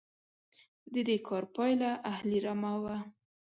د دې کار پایله اهلي رمه وه.